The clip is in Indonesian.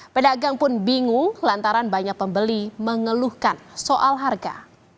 pedagang pun bingung lantaran banyak pembeli mengeluhkan soal harga